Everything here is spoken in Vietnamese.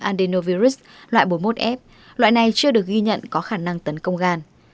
andenovirus loại bốn mươi một f loại này chưa được ghi nhận có khả năng tấn công gan